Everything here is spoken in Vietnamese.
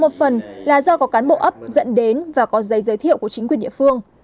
một phần là do có cán bộ ấp dẫn đến và có giấy giới thiệu của chính quyền địa phương